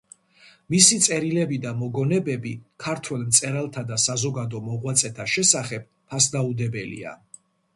მისი წერილები და მოგონებები ქართველ მწერალთა და საზოგადო მოღვაწეთა შესახებ ფასდაუდებელია.